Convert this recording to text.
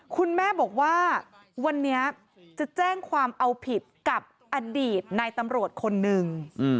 คุณแม่บอกว่าวันนี้จะแจ้งความเอาผิดกับอดีตนายตำรวจคนหนึ่ง